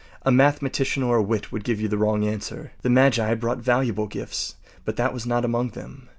A mathematician or a wit would give you the wrong answer. The magi brought valuable gifts, but that was not among them.